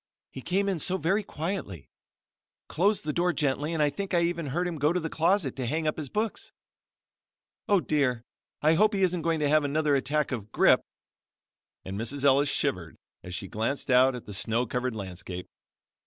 "He came in so very quietly, closed the door gently and I think I even heard him go to the closet to hang up his books. Oh! dear. I hope he isn't going to have another attack of 'Grippe,'" and Mrs. Ellis shivered as she glanced out at the snow covered landscape.